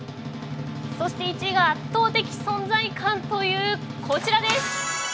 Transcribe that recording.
そして１位が圧倒的存在感というこちらです。